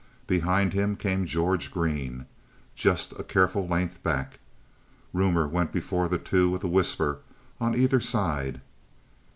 Behind him came George Green, just a careful length back. Rumor went before the two with a whisper on either side.